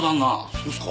そうすか？